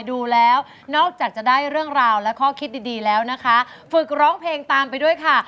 ดูแล้วนอกจากจะได้เรื่องราวและข้อคิดดีดีแล้วนะคะฝึกร้องเพลงตามไปด้วยค่ะ